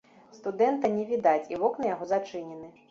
Студэнта не відаць, і вокны яго зачынены.